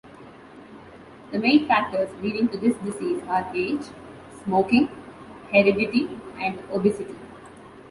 The main factors leading to this disease are age, smoking, heredity, and obesity.